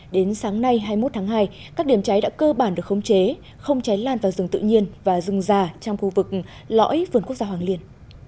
đến sáng nay hai mươi một tháng hai các điểm cháy đã cơ bản được khống chế không cháy lan vào rừng tự nhiên và rừng già trong khu vực lõi vườn quốc gia hoàng liên